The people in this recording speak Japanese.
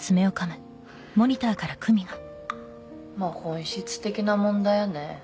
「まあ本質的な問題よね」